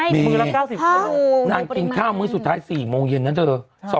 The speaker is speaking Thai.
มันกินข้าวมื้อสุดท้าย๔โมงเย็นน่ะเถอะ